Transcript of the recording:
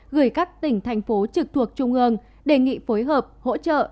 gửi các tỉnh thành phố trực thuộc trung ương đề nghị phối hợp hỗ trợ